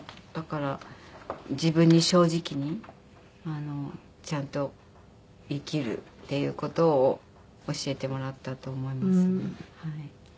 だから自分に正直にちゃんと生きるっていう事を教えてもらったと思いますね。